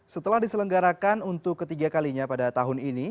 setelah diselenggarakan untuk ketiga kalinya pada tahun ini